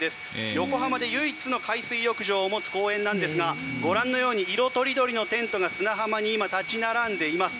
横浜で唯一の海水浴場を持つ公園なんですがご覧のように色とりどりのテントが今、砂浜に立ち並んでいます。